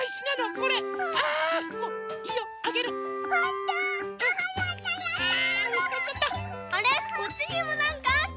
こっちにもなんかあった。